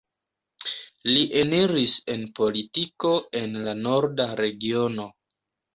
Li eniris en politiko en la Norda Regiono.